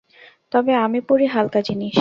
তবে আমি পড়ি হালকা জিনিস।